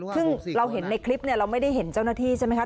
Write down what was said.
ซึ่งเราเห็นในคลิปเนี่ยเราไม่ได้เห็นเจ้าหน้าที่ใช่ไหมคะ